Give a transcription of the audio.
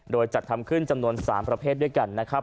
โดยจัดทำขึ้นจำนวน๓ประเภทด้วยกันนะครับ